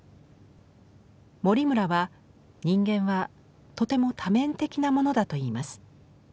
森村は人間はとても多面的なものだと言います。